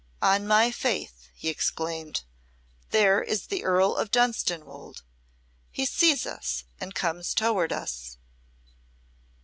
"On my faith!" he exclaimed, "there is the Earl of Dunstanwolde. He sees us and comes towards us."